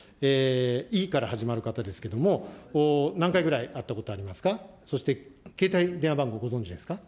いから始まる方ですけども、何回ぐらい会ったことありますか、そして携帯電話番号、ご存じですか。